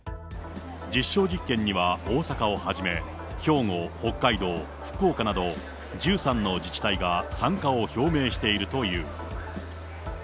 実証実験には大阪をはじめ、兵庫、北海道、福岡など、１３の自治体が参加を表明しているという。